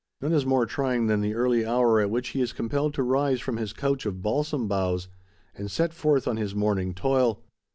None is more trying than the early hour at which he is compelled to rise from his couch of balsam boughs and set forth on his morning toil.